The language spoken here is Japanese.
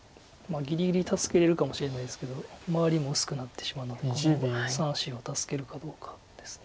ぎりぎり助けれるかもしれないですけど周りも薄くなってしまうので黒は３子を助けるかどうかです。